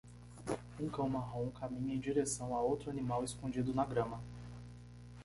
Um cão marrom caminha em direção a outro animal escondido na grama.